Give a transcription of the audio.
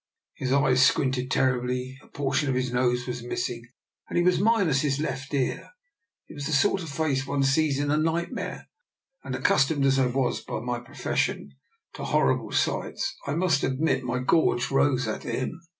His eyes squinted terribly, a portion of his nose was missing, and hie was minus his left ear. It was the sort of face one sees in a nightmare, and, accus tomed as I was by my profession to horrible DR. NIKOLA'S EXPERIMENT. 6/ sights, I must admit my gorge rose at him.